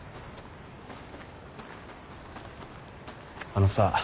あのさ。